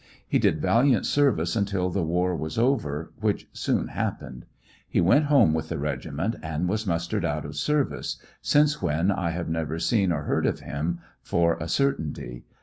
He did valiant service until the war was over, which soon happened. He went home with the regiment and was mustered out of service, since when I have never seen or heard of him for a cer tainty.